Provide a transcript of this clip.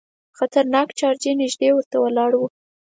خطرناک جارچي نیژدې ورته ولاړ وو.